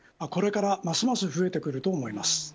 これからますます増えてくると思います。